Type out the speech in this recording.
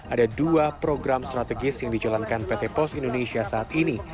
ada dua program strategis yang dijalankan pt pos indonesia saat ini